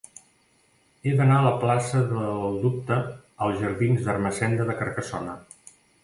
He d'anar de la plaça del Dubte als jardins d'Ermessenda de Carcassona.